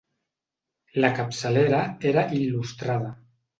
La capçalera era il·lustrada.